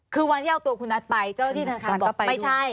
คือวันที่เอาตัวคุณนัทไปเจ้าหน้าที่ธนาคารบอกไปไม่ใช่